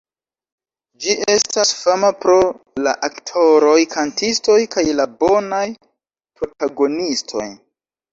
Ĝi estas fama pro la aktoroj-kantistoj kaj la bonaj protagonistoj.